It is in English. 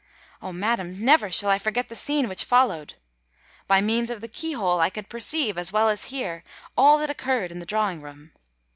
Oh! madam, never shall I forget the scene which followed! By means of the key hole I could perceive, as well as hear, all that occurred in the drawing room.